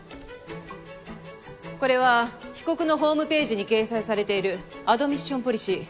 これは被告のホームページに掲載されているアドミッション・ポリシー。